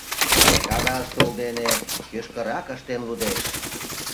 Кагазым тул деке кӱшкырак ыштен лудеш: